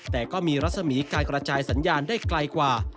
แต่ก็มีรัศมีการกระจายสัญญาณได้ไกลกว่า